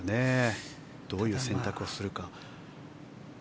どういう選択をするか。